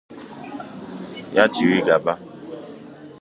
ya chịrị gaba